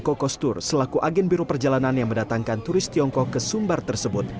kokostur selaku agen biru perjalanan yang mendatangkan turis tiongkok ke sumbar tersebut